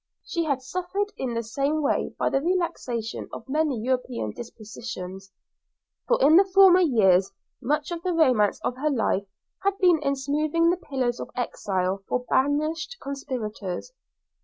She had suffered in the same way by the relaxation of many European despotisms, for in former years much of the romance of her life had been in smoothing the pillow of exile for banished conspirators.